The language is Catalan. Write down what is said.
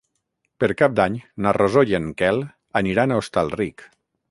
Per Cap d'Any na Rosó i en Quel aniran a Hostalric.